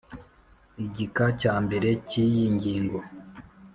igika cya mbere cy iyi ngingo